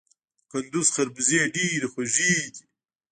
د کندز خربوزې ډیرې خوږې دي